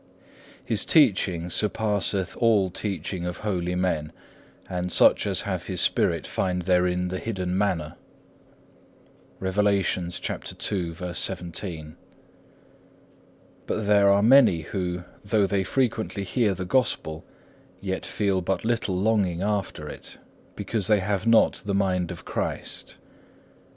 2. His teaching surpasseth all teaching of holy men, and such as have His Spirit find therein the hidden manna.(2) But there are many who, though they frequently hear the Gospel, yet feel but little longing after it, because they have not the mind of Christ.